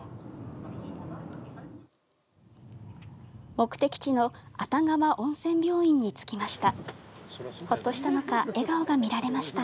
目的地の熱川温泉病院に着きました。